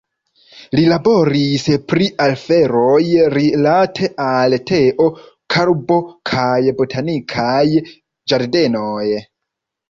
Li laboris pri aferoj rilate al teo, karbo kaj botanikaj ĝardenoj.